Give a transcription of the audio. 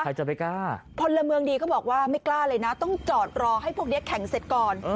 ใครจะไปกล้าพลเมืองดีเขาบอกว่าไม่กล้าเลยนะต้องจอดรอให้พวกนี้แข่งเสร็จก่อน